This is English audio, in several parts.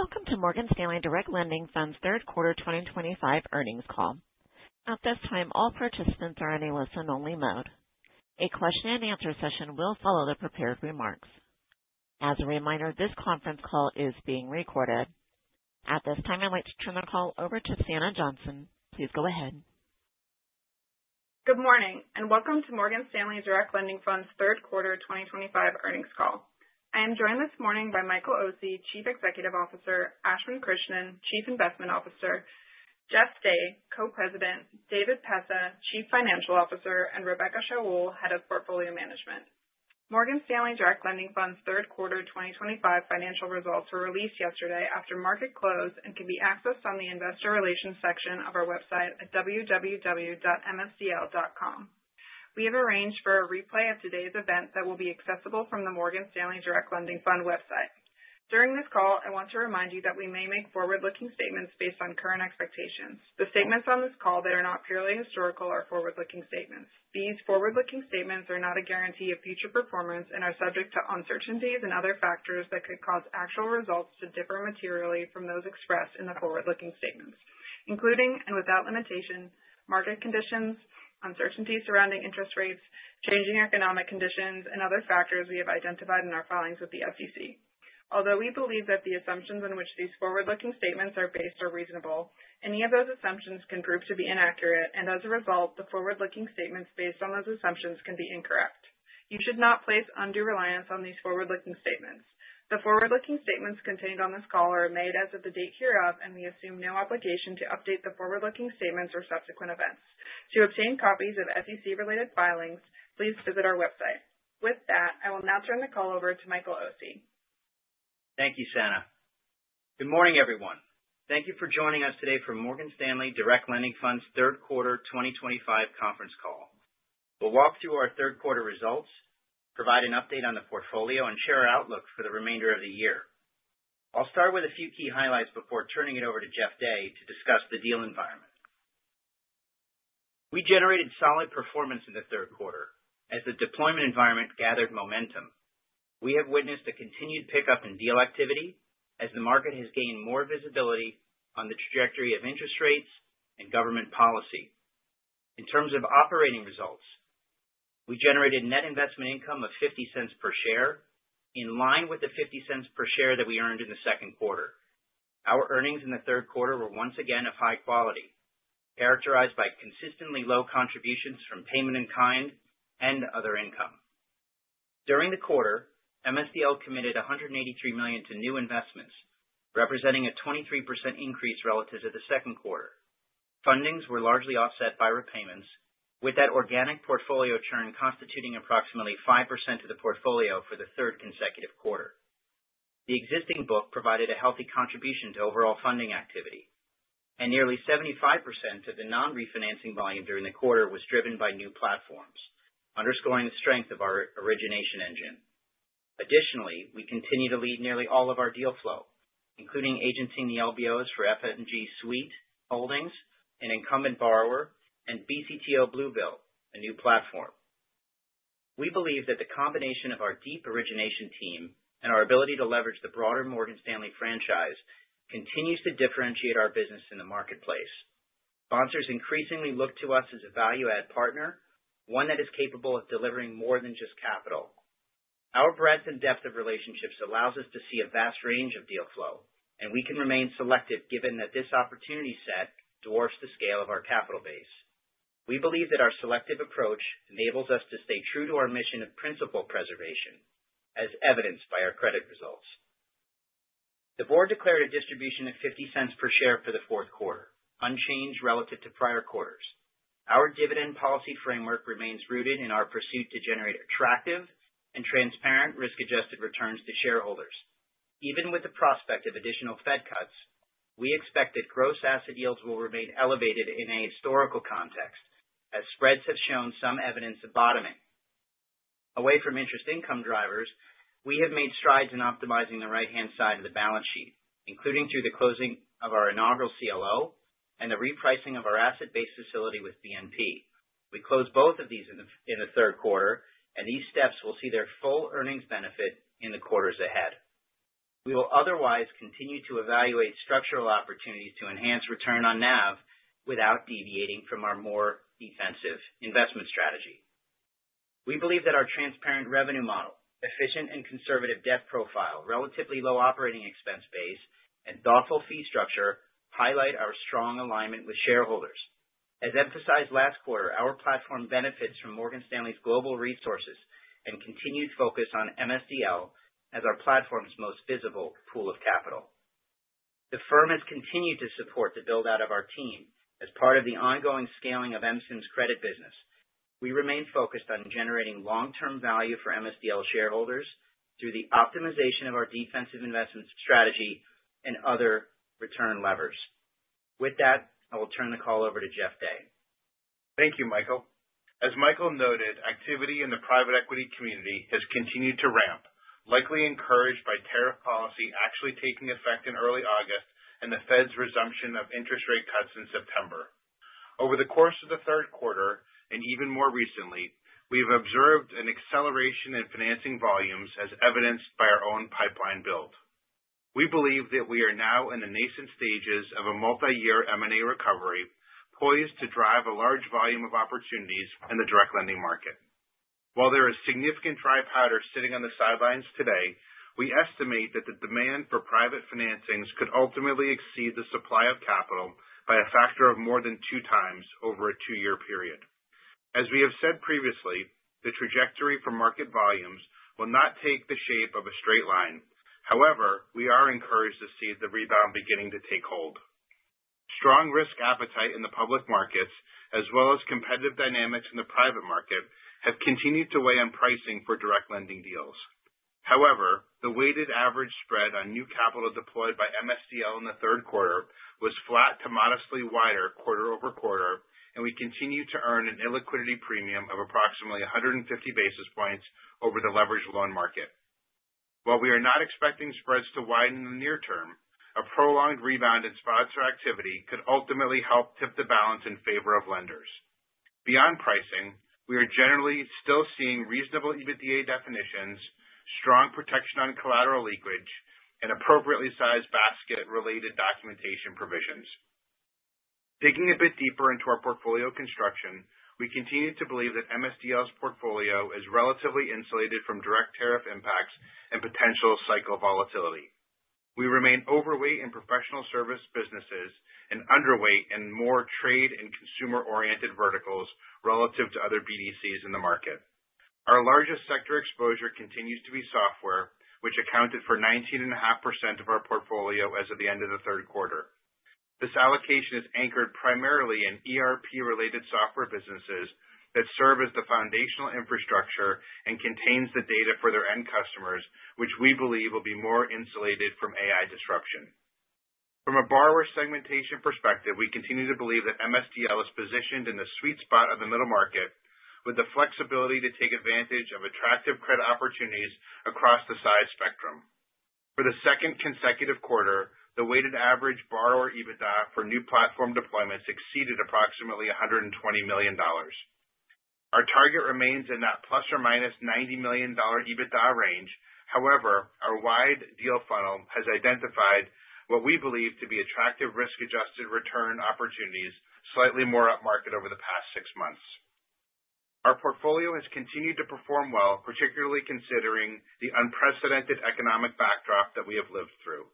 Welcome to Morgan Stanley Direct Lending Fund's third quarter 2025 earnings call. At this time, all participants are in a listen-only mode. A question and answer session will follow the prepared remarks. As a reminder, this conference call is being recorded. At this time, I'd like to turn the call over to Sanna Johnson. Please go ahead. Good morning, and welcome to Morgan Stanley Direct Lending Fund's third quarter 2025 earnings call. I am joined this morning by Michael Occi, Chief Executive Officer, Ashwin Krishnan, Chief Investment Officer, Jeff Day, Co-President, David Pessah, Chief Financial Officer, and Rebecca Shaoul, Head of Portfolio Management. Morgan Stanley Direct Lending Fund's third quarter 2025 financial results were released yesterday after market close and can be accessed on the investor relations section of our website at www.msdl.com. We have arranged for a replay of today's event that will be accessible from the Morgan Stanley Direct Lending Fund website. During this call, I want to remind you that we may make forward-looking statements based on current expectations. The statements on this call that are not purely historical are forward-looking statements. These forward-looking statements are not a guarantee of future performance and are subject to uncertainties and other factors that could cause actual results to differ materially from those expressed in the forward-looking statements, including and without limitation, market conditions, uncertainty surrounding interest rates, changing economic conditions, and other factors we have identified in our filings with the SEC. Although we believe that the assumptions on which these forward-looking statements are based are reasonable, any of those assumptions can prove to be inaccurate. As a result, the forward-looking statements based on those assumptions can be incorrect. You should not place undue reliance on these forward-looking statements. The forward-looking statements contained on this call are made as of the date hereof, and we assume no obligation to update the forward-looking statements or subsequent events. To obtain copies of SEC related filings, please visit our website. With that, I will now turn the call over to Michael Occi. Thank you, Sanna. Good morning, everyone. Thank you for joining us today for Morgan Stanley Direct Lending Fund's third quarter 2025 conference call. We'll walk through our third quarter results, provide an update on the portfolio, and share our outlook for the remainder of the year. I'll start with a few key highlights before turning it over to Jeff Day to discuss the deal environment. We generated solid performance in the third quarter as the deployment environment gathered momentum. We have witnessed a continued pickup in deal activity as the market has gained more visibility on the trajectory of interest rates and government policy. In terms of operating results, we generated net investment income of $0.50 per share in line with the $0.50 per share that we earned in the second quarter. Our earnings in the third quarter were once again of high quality, characterized by consistently low contributions from payment-in-kind and other income. During the quarter, MSDL committed $183 million to new investments, representing a 23% increase relative to the second quarter. Fundings were largely offset by repayments, with that organic portfolio churn constituting approximately 5% of the portfolio for the third consecutive quarter. The existing book provided a healthy contribution to overall funding activity, and nearly 75% of the non-refinancing volume during the quarter was driven by new platforms, underscoring the strength of our origination engine. Additionally, we continue to lead nearly all of our deal flow, including agency in the LBOs for FMG Suite Holdings, an incumbent borrower, and BCTO Bluebill, a new platform. We believe that the combination of our deep origination team and our ability to leverage the broader Morgan Stanley franchise continues to differentiate our business in the marketplace. Sponsors increasingly look to us as a value add partner, one that is capable of delivering more than just capital. Our breadth and depth of relationships allows us to see a vast range of deal flow, and we can remain selective given that this opportunity set dwarfs the scale of our capital base. We believe that our selective approach enables us to stay true to our mission of principal preservation, as evidenced by our credit results. The board declared a distribution of $0.50 per share for the fourth quarter, unchanged relative to prior quarters. Our dividend policy framework remains rooted in our pursuit to generate attractive and transparent risk-adjusted returns to shareholders. Even with the prospect of additional Fed cuts, we expect that gross asset yields will remain elevated in a historical context, as spreads have shown some evidence of bottoming. Away from interest income drivers, we have made strides in optimizing the right-hand side of the balance sheet, including through the closing of our inaugural CLO and the repricing of our asset-based facility with BNP. We closed both of these in the third quarter, and these steps will see their full earnings benefit in the quarters ahead. We will otherwise continue to evaluate structural opportunities to enhance return on NAV without deviating from our more defensive investment strategy. We believe that our transparent revenue model, efficient and conservative debt profile, relatively low operating expense base, and thoughtful fee structure highlight our strong alignment with shareholders. As emphasized last quarter, our platform benefits from Morgan Stanley's global resources and continued focus on MSDL as our platform's most visible pool of capital. The firm has continued to support the build-out of our team as part of the ongoing scaling of MSIM's credit business. We remain focused on generating long-term value for MSDL shareholders through the optimization of our defensive investment strategy and other return levers. With that, I will turn the call over to Jeff Day. Thank you, Michael. As Michael noted, activity in the private equity community has continued to ramp, likely encouraged by tariff policy actually taking effect in early August. The Fed's resumption of interest rate cuts in September. Over the course of the third quarter, and even more recently, we've observed an acceleration in financing volumes as evidenced by our own pipeline build. We believe that we are now in the nascent stages of a multi-year M&A recovery, poised to drive a large volume of opportunities in the direct lending market. While there is significant dry powder sitting on the sidelines today, we estimate that the demand for private financings could ultimately exceed the supply of capital by a factor of more than two times over a two-year period. As we have said previously, the trajectory for market volumes will not take the shape of a straight line. We are encouraged to see the rebound beginning to take hold. Strong risk appetite in the public markets, as well as competitive dynamics in the private market, have continued to weigh on pricing for direct lending deals. However, the weighted average spread on new capital deployed by MSDL in the third quarter was flat to modestly wider quarter-over-quarter, and we continue to earn an illiquidity premium of approximately 150 basis points over the leveraged loan market. While we are not expecting spreads to widen in the near term, a prolonged rebound in sponsor activity could ultimately help tip the balance in favor of lenders. Beyond pricing, we are generally still seeing reasonable EBITDA definitions, strong protection on collateral leakage, and appropriately sized basket related documentation provisions. Digging a bit deeper into our portfolio construction, we continue to believe that MSDL's portfolio is relatively insulated from direct tariff impacts and potential cycle volatility. We remain overweight in professional service businesses and underweight in more trade and consumer-oriented verticals relative to other BDCs in the market. Our largest sector exposure continues to be software, which accounted for 19.5% of our portfolio as of the end of the third quarter. This allocation is anchored primarily in ERP-related software businesses that serve as the foundational infrastructure and contains the data for their end customers, which we believe will be more insulated from AI disruption. From a borrower segmentation perspective, we continue to believe that MSDL is positioned in the sweet spot of the middle market with the flexibility to take advantage of attractive credit opportunities across the size spectrum. For the second consecutive quarter, the weighted average borrower EBITDA for new platform deployments exceeded approximately $120 million. Our target remains in that ±$90 million EBITDA range. However, our wide deal funnel has identified what we believe to be attractive risk-adjusted return opportunities slightly more upmarket over the past six months. Our portfolio has continued to perform well, particularly considering the unprecedented economic backdrop that we have lived through.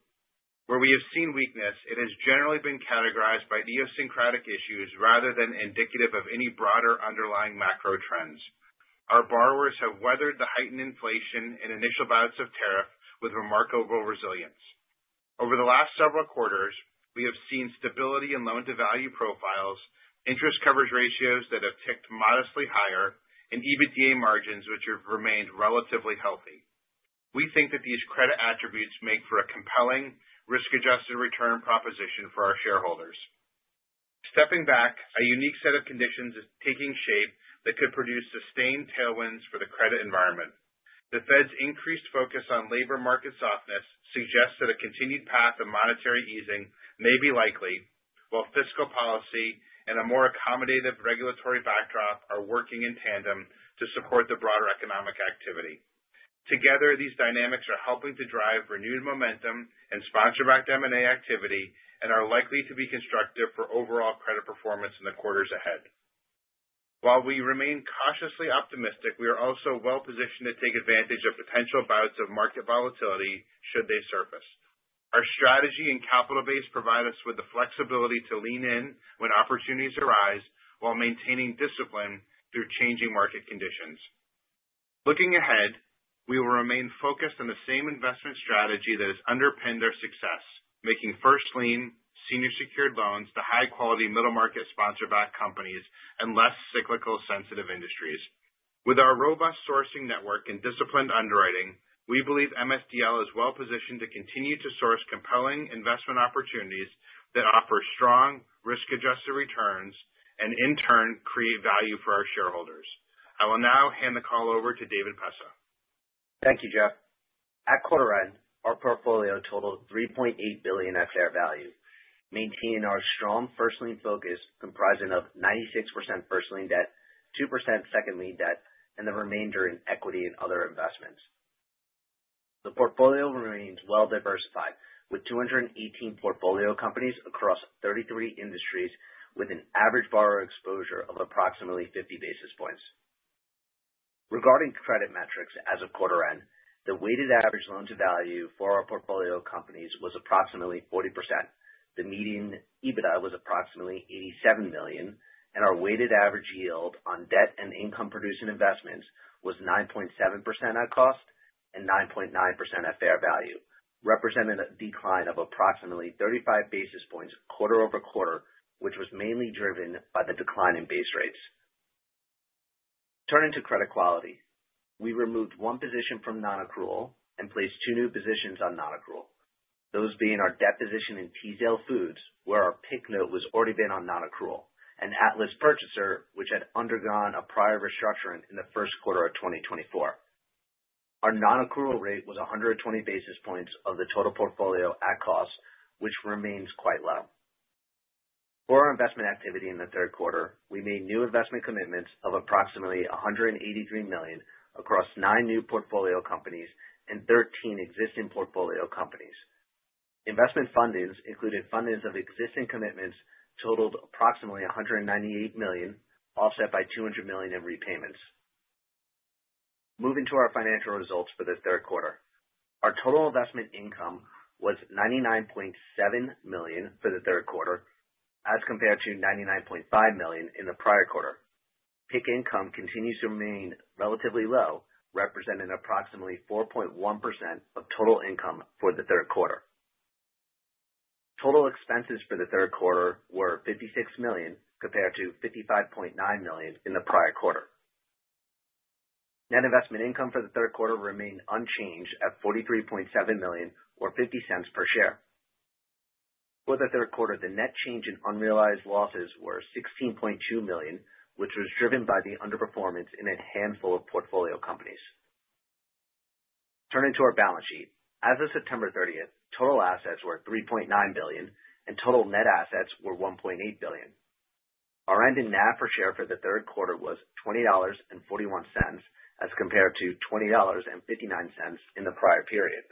Where we have seen weakness, it has generally been categorized by idiosyncratic issues rather than indicative of any broader underlying macro trends. Our borrowers have weathered the heightened inflation and initial bouts of tariff with remarkable resilience. Over the last several quarters, we have seen stability in loan-to-value profiles, interest coverage ratios that have ticked modestly higher, and EBITDA margins which have remained relatively healthy. We think that these credit attributes make for a compelling risk-adjusted return proposition for our shareholders. Stepping back, a unique set of conditions is taking shape that could produce sustained tailwinds for the credit environment. The Fed's increased focus on labor market softness suggests that a continued path of monetary easing may be likely, while fiscal policy and a more accommodative regulatory backdrop are working in tandem to support the broader economic activity. Together, these dynamics are helping to drive renewed momentum and sponsor-backed M&A activity and are likely to be constructive for overall credit performance in the quarters ahead. While we remain cautiously optimistic, we are also well-positioned to take advantage of potential bouts of market volatility should they surface. Our strategy and capital base provide us with the flexibility to lean in when opportunities arise while maintaining discipline through changing market conditions. Looking ahead, we will remain focused on the same investment strategy that has underpinned our success, making first lien senior secured loans to high-quality middle-market sponsor-backed companies and less cyclical sensitive industries. With our robust sourcing network and disciplined underwriting, we believe MSDL is well-positioned to continue to source compelling investment opportunities that offer strong risk-adjusted returns and in turn create value for our shareholders. I will now hand the call over to David Pessah. Thank you, Jeff. At quarter end, our portfolio totaled $3.8 billion at fair value, maintaining our strong first lien focus comprising of 96% first lien debt, 2% second lien debt, and the remainder in equity and other investments. The portfolio remains well-diversified with 218 portfolio companies across 33 industries with an average borrower exposure of approximately 50 basis points. Regarding credit metrics as of quarter end, the weighted average loan to value for our portfolio companies was approximately 40%. The median EBITDA was approximately $87 million, and our weighted average yield on debt and income-producing investments was 9.7% at cost and 9.9% at fair value, representing a decline of approximately 35 basis points quarter-over-quarter, which was mainly driven by the decline in base rates. Turning to credit quality, we removed one position from non-accrual and placed two new positions on non-accrual. Those being our debt position in Teasdale Foods, where our PIK note was already been on non-accrual, and Atlas Purchaser, which had undergone a prior restructuring in the first quarter of 2024. Our non-accrual rate was 120 basis points of the total portfolio at cost, which remains quite low. For our investment activity in the third quarter, we made new investment commitments of approximately $183 million across nine new portfolio companies and 13 existing portfolio companies. Investment fundings included fundings of existing commitments totaled approximately $198 million, offset by $200 million in repayments. Moving to our financial results for the third quarter. Our total investment income was $99.7 million for the third quarter as compared to $99.5 million in the prior quarter. PIK income continues to remain relatively low, representing approximately 4.1% of total income for the third quarter. Total expenses for the third quarter were $56 million compared to $55.9 million in the prior quarter. Net investment income for the third quarter remained unchanged at $43.7 million or $0.50 per share. For the third quarter, the net change in unrealized losses were $16.2 million, which was driven by the underperformance in a handful of portfolio companies. Turning to our balance sheet. As of September 30th, total assets were $3.9 billion and total net assets were $1.8 billion. Our ending NAV per share for the third quarter was $20.41 as compared to $20.59 in the prior period.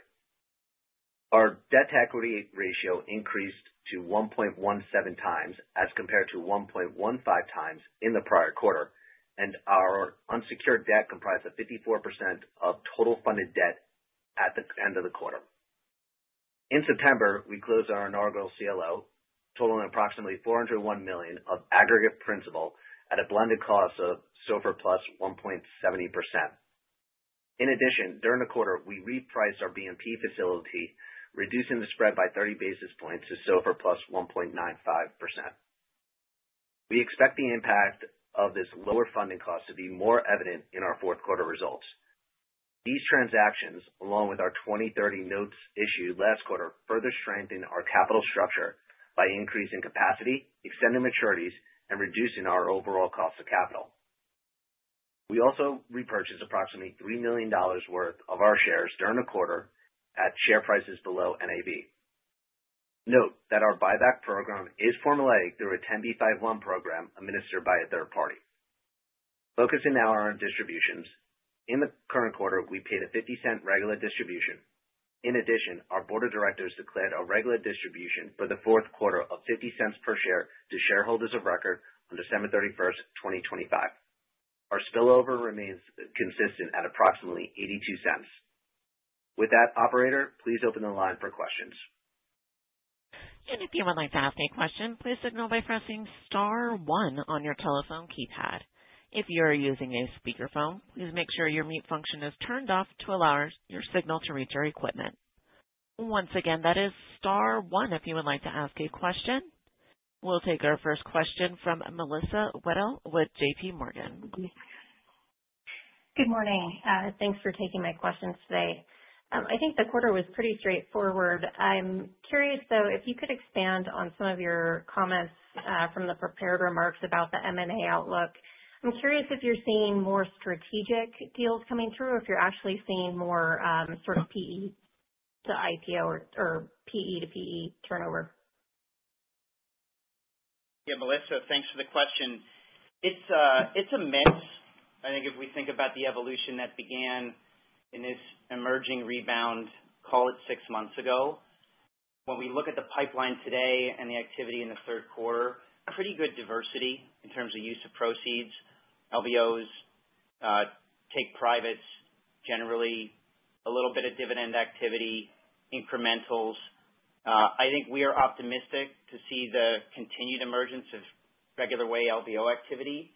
Our debt-to-equity ratio increased to 1.17x as compared to 1.15x in the prior quarter, and our unsecured debt comprised of 54% of total funded debt at the end of the quarter. In September, we closed our inaugural CLO, totaling approximately $401 million of aggregate principal at a blended cost of SOFR plus 1.70%. In addition, during the quarter, we repriced our BNP facility, reducing the spread by 30 basis points to SOFR plus 1.95%. We expect the impact of this lower funding cost to be more evident in our fourth quarter results. These transactions, along with our 2030 notes issued last quarter, further strengthen our capital structure by increasing capacity, extending maturities, and reducing our overall cost of capital. We also repurchased approximately $3 million worth of our shares during the quarter at share prices below NAV. Note that our buyback program is formulated through a 10b5-1 program administered by a third party. Focusing now on distributions. In the current quarter, we paid a $0.50 regular distribution. In addition, our board of directors declared a regular distribution for the fourth quarter of $0.50 per share to shareholders of record on December 31st, 2025. Our spillover remains consistent at approximately $0.82. With that, operator, please open the line for questions. If you would like to ask a question, please signal by pressing star one on your telephone keypad. If you're using a speakerphone, please make sure your mute function is turned off to allow your signal to reach our equipment. Once again, that is star one if you would like to ask a question. We'll take our first question from Melissa Wedel with JPMorgan. Good morning. Thanks for taking my questions today. I think the quarter was pretty straightforward. I'm curious, though, if you could expand on some of your comments, from the prepared remarks about the M&A outlook. I'm curious if you're seeing more strategic deals coming through or if you're actually seeing more, sort of PE to IPO or PE to PE turnover. Melissa, thanks for the question. It's a mix. I think if we think about the evolution that began in this emerging rebound, call it six months ago. When we look at the pipeline today and the activity in the third quarter, a pretty good diversity in terms of use of proceeds. LBOs, take privates generally, a little bit of dividend activity, incrementals. I think we are optimistic to see the continued emergence of regular way LBO activity.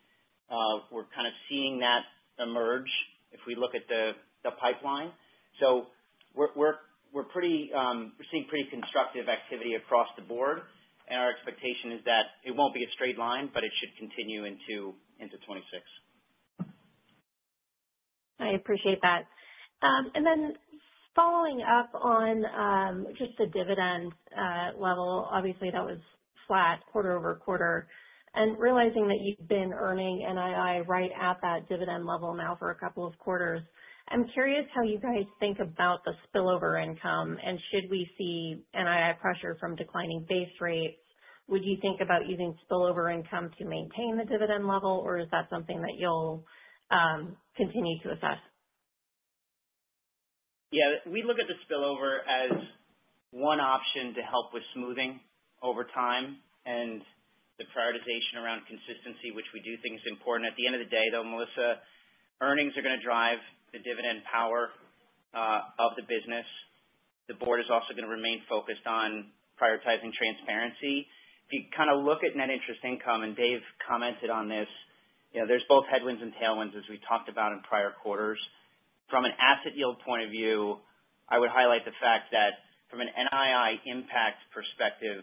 We're kind of seeing that emerge if we look at the pipeline. We're pretty, we're seeing pretty constructive activity across the board, and our expectation is that it won't be a straight line, but it should continue into 2026. I appreciate that. Following up on just the dividend level, obviously that was flat quarter-over-quarter. Realizing that you've been earning NII right at that dividend level now for two quarters, I'm curious how you guys think about the spillover income, and should we see NII pressure from declining base rates? Would you think about using spillover income to maintain the dividend level, or is that something that you'll continue to assess? Yeah. We look at the spillover as one option to help with smoothing over time and the prioritization around consistency, which we do think is important. At the end of the day, though, Melissa, earnings are going to drive the dividend power of the business. The board is also going to remain focused on prioritizing transparency. If you kind of look at net interest income, and Dave commented on this, you know, there's both headwinds and tailwinds as we talked about in prior quarters. From an asset yield point of view, I would highlight the fact that from an NII impact perspective,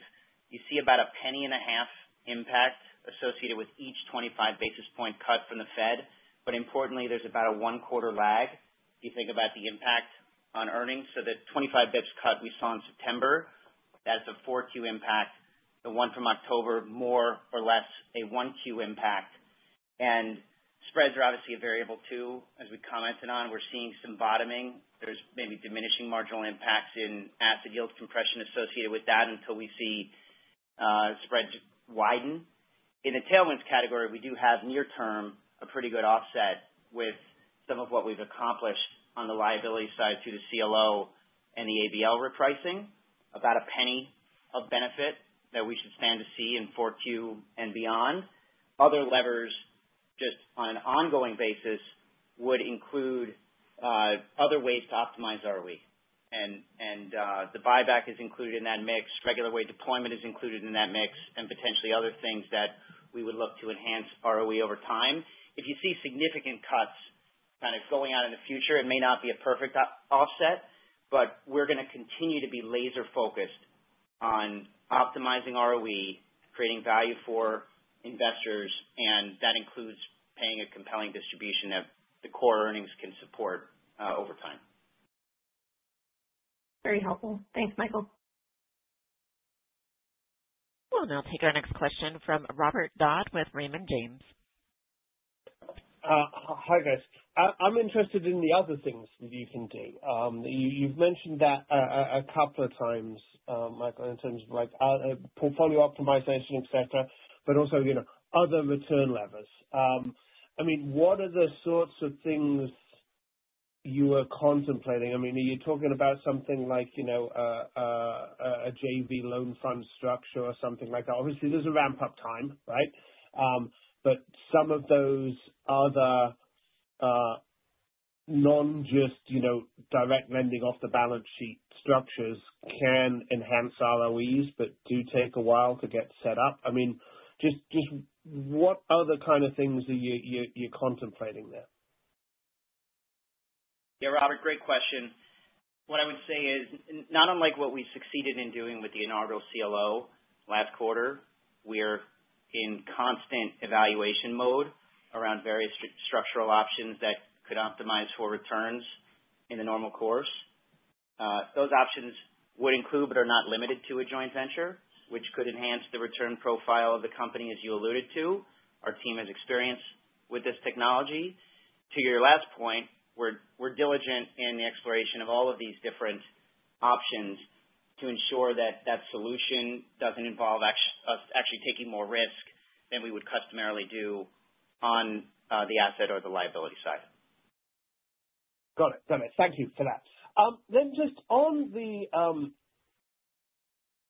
you see about a penny and a half impact associated with each 25 basis point cut from the Fed. Importantly, there's about a one quarter lag if you think about the impact. On earnings. The 25 basis points cut we saw in September, that's a 4Q impact. The one from October, more or less a 1Q impact. Spreads are obviously a variable too, as we commented on. We're seeing some bottoming. There's maybe diminishing marginal impacts in asset yield compression associated with that until we see spreads widen. In the tailwinds category, we do have near term a pretty good offset with some of what we've accomplished on the liability side through the CLO and the ABL repricing. About a $0.01 of benefit that we should stand to see in 4Q and beyond. Other levers, just on an ongoing basis, would include other ways to optimize ROE. The buyback is included in that mix. Regular way deployment is included in that mix, and potentially other things that we would look to enhance ROE over time. If you see significant cuts kind of going out in the future, it may not be a perfect offset, but we're gonna continue to be laser-focused on optimizing ROE, creating value for investors, and that includes paying a compelling distribution that the core earnings can support over time. Very helpful. Thanks, Michael. We'll now take our next question from Robert Dodd with Raymond James. Hi guys. I'm interested in the other things that you can do. You've mentioned that a couple of times, Michael, in terms of like portfolio optimization, et cetera, but also, you know, other return levers. I mean, what are the sorts of things you are contemplating? I mean, are you talking about something like, you know, a JV loan fund structure or something like that? Obviously, there's a ramp-up time, right? Some of those other non just, you know, direct lending off the balance sheet structures can enhance ROEs, but do take a while to get set up. I mean, just what other kind of things are you contemplating there? Robert, great question. What I would say is not unlike what we succeeded in doing with the inaugural CLO last quarter, we're in constant evaluation mode around various structural options that could optimize for returns in the normal course. Those options would include, but are not limited to a joint venture, which could enhance the return profile of the company, as you alluded to. Our team has experience with this technology. To your last point, we're diligent in the exploration of all of these different options to ensure that that solution doesn't involve us actually taking more risk than we would customarily do on the asset or the liability side. Got it. Got it. Thank you for that. Then just on the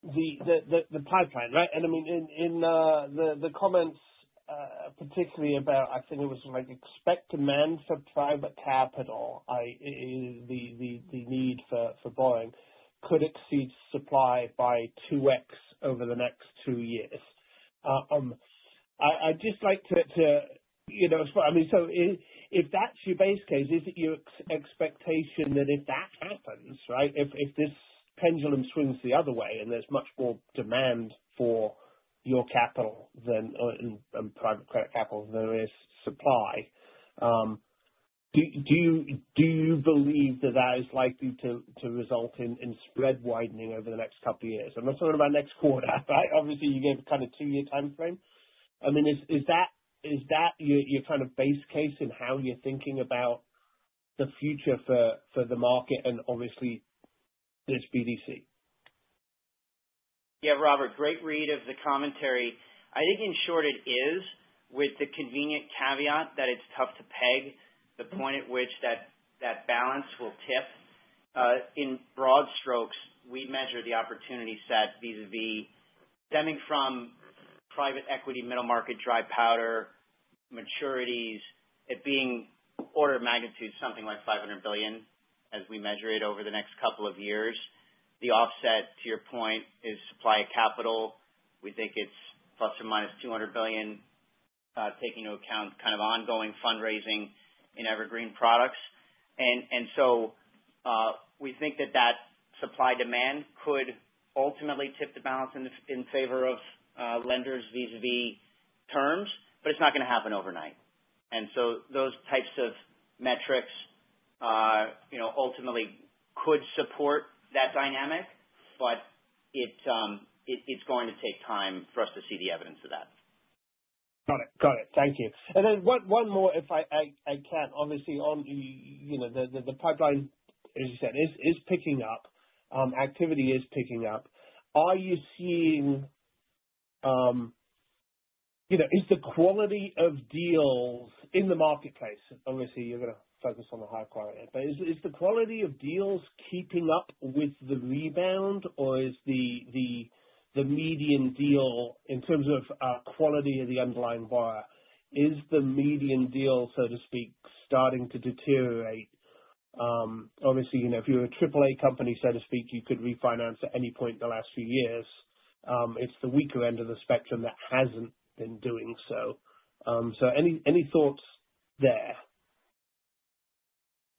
pipeline, right? I mean, in the comments, particularly about I think it was like expect demand for private capital, in the need for borrowing could exceed supply by 2x over the next two years. I'd just like to, you know I mean, if that's your base case, is it your expectation that if that happens, right, if this pendulum swings the other way and there's much more demand for your capital than, and private credit capital than there is supply, do you believe that that is likely to result in spread widening over the next couple of years? I'm not talking about next quarter, right? You gave kind of two-year timeframe. I mean, is that your kind of base case in how you're thinking about the future for the market and obviously this BDC? Yeah. Robert, great read of the commentary. I think in short it is with the convenient caveat that it's tough to peg the point at which that balance will tip. In broad strokes, we measure the opportunity set vis-a-vis stemming from private equity, middle market, dry powder, maturities. It being order of magnitude something like $500 billion as we measure it over the next couple of years. The offset, to your point, is supply of capital. We think it's ±$200 billion, taking into account kind of ongoing fundraising in evergreen products. We think that supply demand could ultimately tip the balance in favor of lenders vis-a-vis terms, but it's not gonna happen overnight. Those types of metrics, you know, ultimately could support that dynamic, but it's going to take time for us to see the evidence of that. Got it. Got it. Thank you. Then one more if I can. Obviously on, you know, the pipeline, as you said, is picking up. Activity is picking up. Are you seeing, you know, is the quality of deals in the marketplace? Obviously, you're gonna focus on the high quality. Is the quality of deals keeping up with the rebound or is the median deal in terms of quality of the underlying borrower, is the median deal, so to speak, starting to deteriorate? Obviously, you know, if you're a triple-A company, so to speak, you could refinance at any point in the last few years. It's the weaker end of the spectrum that hasn't been doing so. Any thoughts there?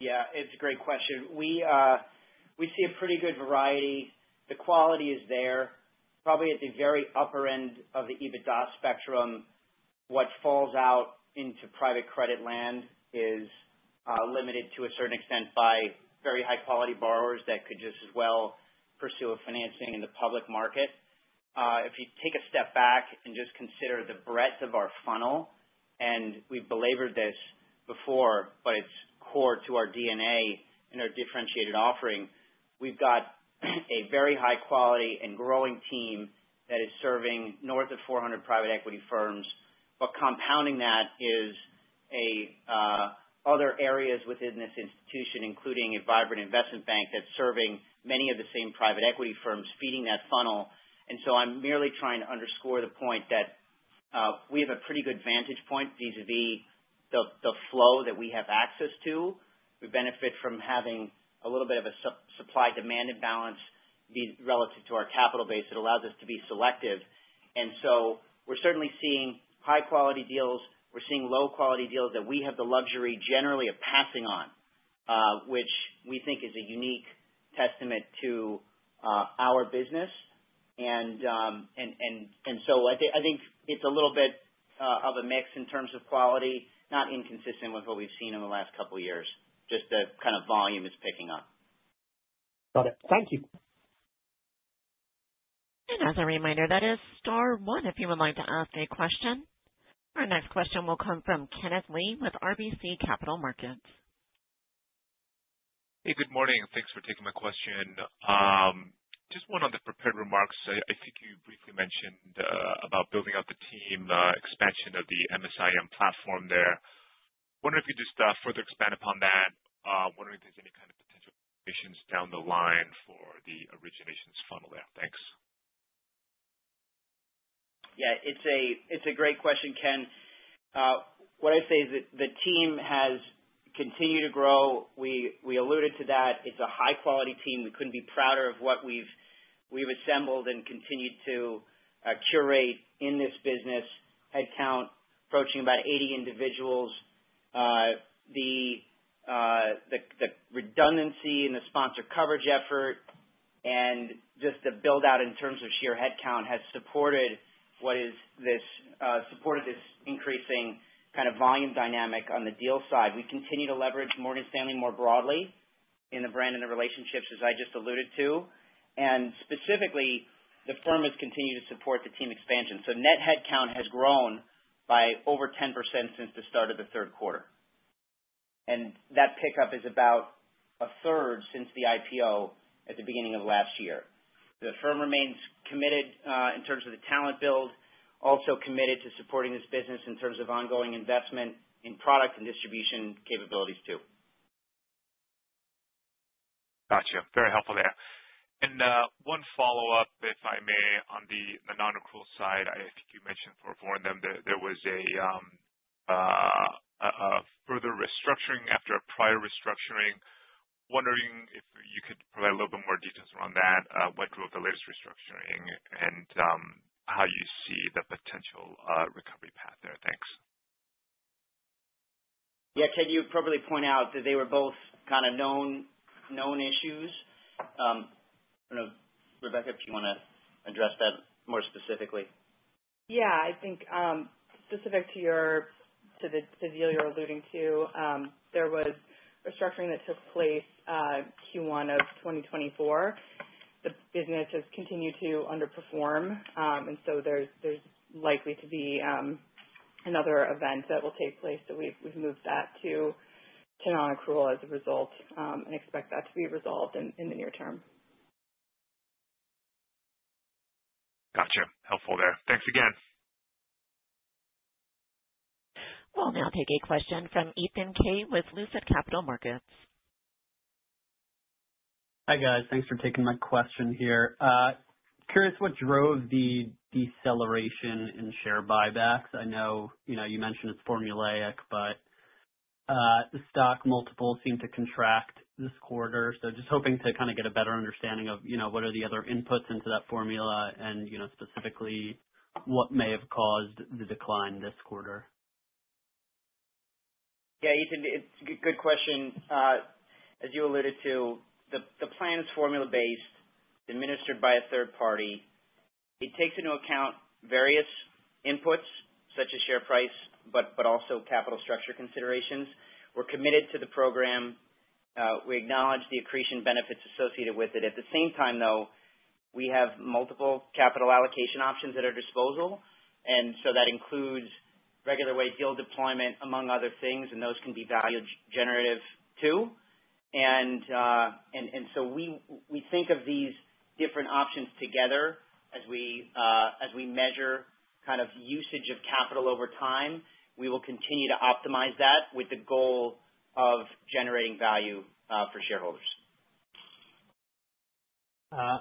Yeah, it's a great question. We see a pretty good variety. The quality is there, probably at the very upper end of the EBITDA spectrum. What falls out into private credit land is limited to a certain extent by very high quality borrowers that could just as well pursue a financing in the public market. If you take a step back and just consider the breadth of our funnel, and we've belabored this before, but it's core to our DNA and our differentiated offering. We've got a very high quality and growing team that is serving north of 400 private equity firms. Compounding that is other areas within this institution, including a vibrant investment bank that's serving many of the same private equity firms feeding that funnel. I'm merely trying to underscore the point that we have a pretty good vantage point vis-a-vis the flow that we have access to. We benefit from having a little bit of a supply demand imbalance relative to our capital base that allows us to be selective. We're certainly seeing high quality deals. We're seeing low quality deals that we have the luxury generally of passing on, which we think is a unique testament to our business. I think it's a little bit of a mix in terms of quality, not inconsistent with what we've seen in the last couple of years, just the kind of volume is picking up. Got it. Thank you. As a reminder, that is star one if you would like to ask a question. Our next question will come from Kenneth Lee with RBC Capital Markets. Hey, good morning. Thanks for taking my question. Just one on the prepared remarks. I think you briefly mentioned about building out the team, expansion of the MSIM platform there. Wondering if you could just further expand upon that. Wondering if there's any kind of potential provisions down the line for the originations funnel there. Thanks. Yeah, it's a great question, Ken. What I'd say is that the team has continued to grow. We alluded to that. It's a high quality team. We couldn't be prouder of what we've assembled and continued to curate in this business. Headcount approaching about 80 individuals. The redundancy in the sponsor coverage effort and just the build out in terms of sheer headcount has supported this increasing kind of volume dynamic on the deal side. We continue to leverage Morgan Stanley more broadly in the brand and the relationships, as I just alluded to. Specifically, the firm has continued to support the team expansion. Net headcount has grown by over 10% since the start of the third quarter. That pickup is about a third since the IPO at the beginning of last year. The firm remains committed in terms of the talent build, also committed to supporting this business in terms of ongoing investment in product and distribution capabilities too. Gotcha. Very helpful there. One follow-up, if I may, on the non-accrual side. I think you mentioned before then there was a further restructuring after a prior restructuring. Wondering if you could provide a little bit more details around that, what drove the latest restructuring and, how you see the potential, recovery path there. Thanks. Yeah. Ken, you appropriately point out that they were both kind of known issues. I don't know, Rebecca, if you wanna address that more specifically. Yeah. I think, specific to the deal you're alluding to, there was restructuring that took place, Q1 of 2024. The business has continued to underperform, there's likely to be another event that will take place. We've moved that to non-accrual as a result, and expect that to be resolved in the near term. Gotcha. Helpful there. Thanks again. We'll now take a question from Ethan Kaye with Lucid Capital Markets. Hi, guys. Thanks for taking my question here. Curious what drove the deceleration in share buybacks. I know, you know, you mentioned it's formulaic, but the stock multiples seem to contract this quarter. Just hoping to kind of get a better understanding of, you know, what are the other inputs into that formula and, you know, specifically what may have caused the decline this quarter. Yeah, Ethan, it's good question. As you alluded to, the plan is formula-based, administered by a third party. It takes into account various inputs such as share price, but also capital structure considerations. We're committed to the program. We acknowledge the accretion benefits associated with it. At the same time, though, we have multiple capital allocation options at our disposal. That includes regular way yield deployment, among other things, and those can be value generative too. We think of these different options together as we measure kind of usage of capital over time. We will continue to optimize that with the goal of generating value for shareholders.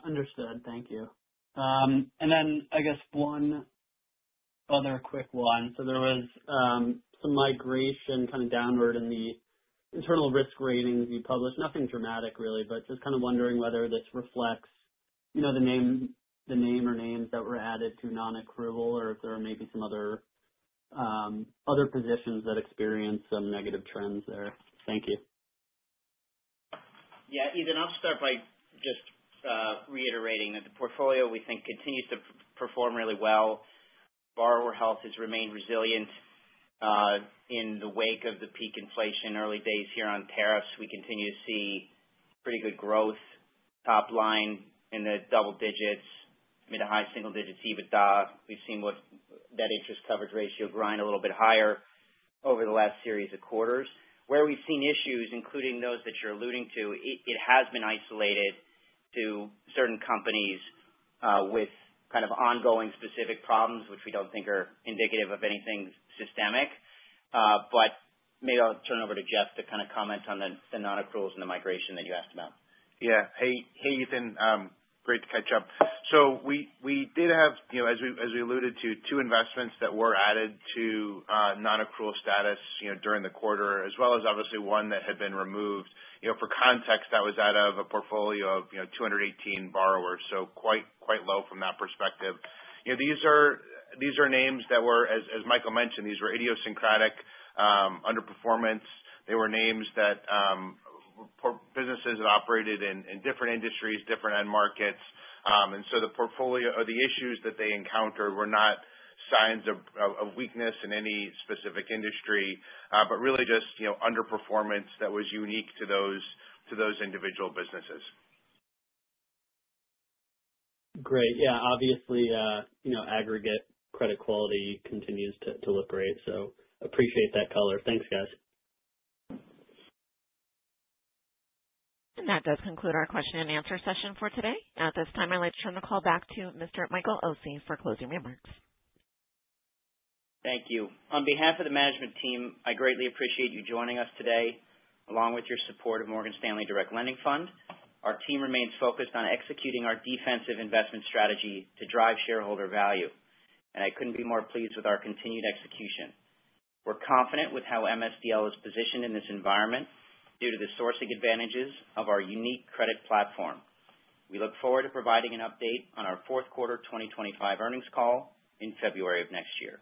Understood. Thank you. Then I guess one other quick one. There was some migration kind of downward in the internal risk ratings you published. Nothing dramatic really, but just kind of wondering whether this reflects, you know, the name or names that were added to non-accrual or if there are maybe some other positions that experienced some negative trends there. Thank you. Yeah. Ethan, I'll start by just reiterating that the portfolio, we think, continues to perform really well. Borrower health has remained resilient in the wake of the peak inflation early days here on tariffs. We continue to see pretty good growth, top line in the double digits, mid-to-high single digits EBITDA. We've seen what that interest coverage ratio grind a little bit higher over the last series of quarters. Where we've seen issues, including those that you're alluding to, it has been isolated to certain companies with kind of ongoing specific problems which we don't think are indicative of anything systemic. Maybe I'll turn it over to Jeff to kind of comment on the non-accruals and the migration that you asked about. Yeah. Hey, hey, Ethan. Great to catch up. We, we did have, you know, as we, as we alluded to, two investments that were added to non-accrual status, you know, during the quarter, as well as obviously one that had been removed. You know, for context, that was out of a portfolio of, you know, 218 borrowers, so quite low from that perspective. You know, these are names that were as Michael mentioned, these were idiosyncratic underperformance. They were names that businesses that operated in different industries, different end markets. The portfolio or the issues that they encountered were not signs of weakness in any specific industry, but really just, you know, underperformance that was unique to those individual businesses. Great. Yeah, obviously, you know, aggregate credit quality continues to look great. Appreciate that color. Thanks, guys. That does conclude our question-and-answer session for today. At this time, I'd like to turn the call back to Mr. Michael Occi for closing remarks. Thank you. On behalf of the management team, I greatly appreciate you joining us today, along with your support of Morgan Stanley Direct Lending Fund. Our team remains focused on executing our defensive investment strategy to drive shareholder value, and I couldn't be more pleased with our continued execution. We're confident with how MSDL is positioned in this environment due to the sourcing advantages of our unique credit platform. We look forward to providing an update on our fourth quarter 2025 earnings call in February of next year.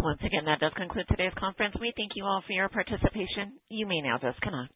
Once again, that does conclude today's conference. We thank you all for your participation. You may now disconnect.